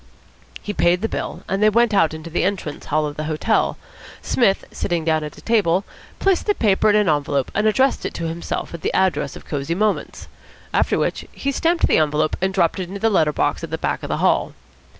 He paid the bill, and they went out into the entrance hall of the hotel. Psmith, sitting down at a table, placed the paper in an envelope and addressed it to himself at the address of Cosy Moments. After which, he stamped the envelope and dropped it into the letter box at the back of the hall.